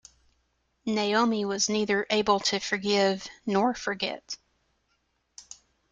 Naomi was neither able to forgive nor forget.